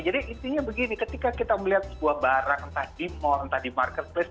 jadi intinya begini ketika kita melihat sebuah barang entah di mall entah di marketplace